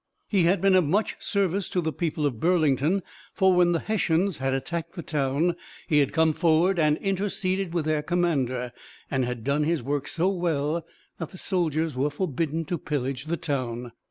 He had been of much service to the people of Burlington; for when the Hessians had attacked the town, he had come forward and interceded with their commander, and had done his work so well that the soldiers were forbidden to pillage the town.